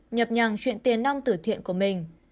nhập nhằng chuyện tiền năm tử thiện của mình